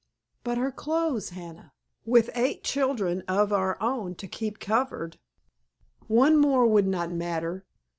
"But her clothes, Hannah? With eight children of our own to keep covered——" "One more would not matter.